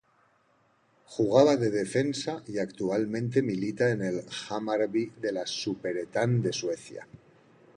Jugaba de defensa y actualmente milita en el Hammarby de la Superettan de Suecia.